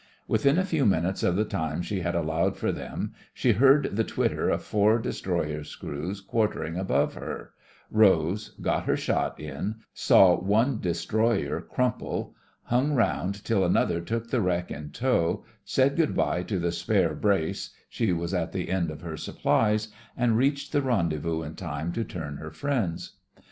Within a few minutes of the time she had allowed for them she heard the twit ter of four destroyers' screws quarter ing above her; rose; got her shot in; saw one destroyer crumple; hung THE FRINGES OF THE FLEET 58 round till another took the wreck in tow; said good bye to the spare brace (she was at the end of her supplies), and reached the rendezvous in time to turn her friends.